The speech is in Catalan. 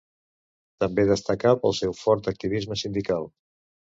També destacà pel seu fort activisme sindical.